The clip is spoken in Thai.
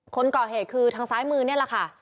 คนก่อเหตุคือทางซ้ายมือนี่แหละค่ะ